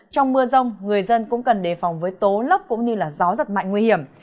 trong mưa rông người dân cũng cần đề phòng với tố lốc cũng như gió giật mạnh nguy hiểm